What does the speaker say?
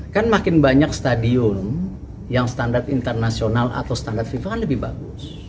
kan makin banyak stadion yang standar internasional atau standar fifa kan lebih bagus